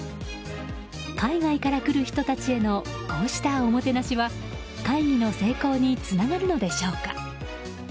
海外から来る人たちへのこうしたおもてなしは会議の成功につながるのでしょうか。